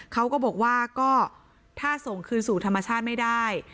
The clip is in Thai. เขาก็บอกว่าก็ถ้าส่งคืนสู่ธรรมชาติไม่ได้